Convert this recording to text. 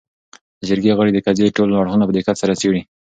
. د جرګې غړي د قضیې ټول اړخونه په دقت سره څېړي